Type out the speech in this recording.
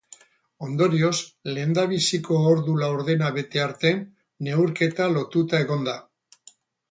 Ondorioz, lehendabiziko ordu laurdena bete arte, neurketa lotuta egon da.